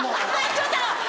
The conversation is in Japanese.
ちょっと！